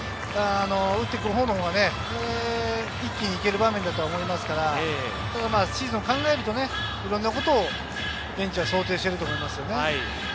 打っていくほうが一気に行ける場面だと思いますから、シーズンを考えるといろんなことをベンチは想定していると思いますね。